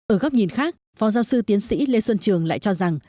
ở góc nhìn khác phó giáo sư tiến sĩ lê xuân trường lại cho rằng